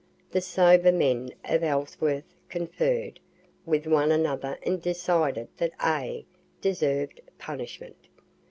The sober men of Ellsworth conferr'd with one another and decided that A. deserv'd punishment.